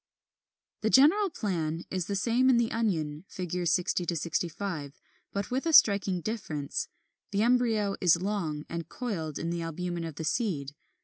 ] 42. The general plan is the same in the Onion (Fig. 60 65), but with a striking difference. The embryo is long, and coiled in the albumen of the seed.